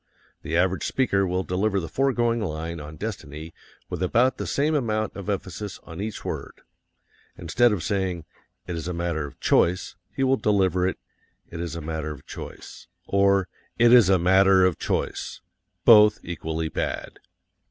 The average speaker will deliver the foregoing line on destiny with about the same amount of emphasis on each word. Instead of saying, "It is a matter of CHOICE," he will deliver it, "It is a matter of choice," or "IT IS A MATTER OF CHOICE" both equally bad.